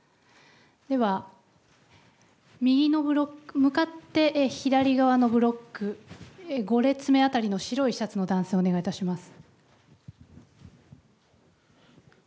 では右のブロック、向かって左側のブロック、５列目辺りの白いシャツの男性、お願いいたします。